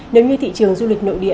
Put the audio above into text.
nếu như thị trường du lịch nội địa